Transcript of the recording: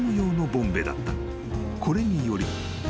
［これにより］